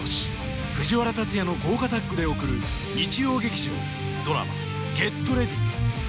藤原竜也の豪華タッグでおくる日曜劇場ドラマ「ＧｅｔＲｅａｄｙ！」